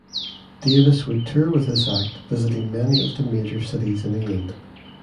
Davis would tour with this act visiting many of the major cities in England.